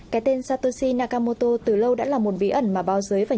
cái tên satoshi nakamoto từ lâu đã là một bí ẩn mà bao giới và những người mê bitcoin